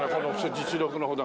実力のほど。